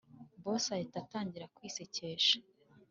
boss ahita atangira kwisekesha